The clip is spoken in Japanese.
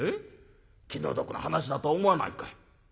気の毒な話だと思わないかい？」。